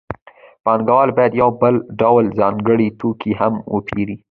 پانګوال باید یو بل ډول ځانګړی توکی هم وپېري